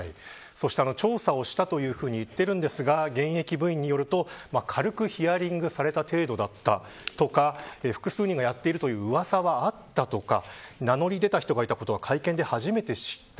そして調査をしたというふうに言っていますが現役部員によると、軽くヒアリングされた程度だったとか複数人がやっているといううわさはあったとか名乗り出た人がいたということは会見で初めて知った。